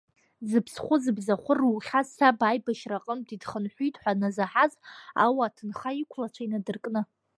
Зыԥсхәы-зыбзахәы рухьаз саб, аибашьра аҟынтәи дхынҳәит ҳәа назаҳаз, ауа-аҭынха, иқәлацәа инадыркны…